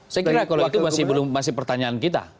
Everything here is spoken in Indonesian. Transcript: saya kira kalau itu masih pertanyaan kita